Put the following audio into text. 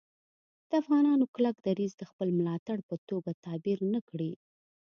د افغانانو کلک دریځ د خپل ملاتړ په توګه تعبیر نه کړي